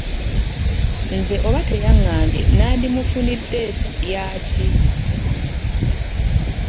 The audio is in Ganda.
Nze oba teyangambye nandimufuniddes yaaki?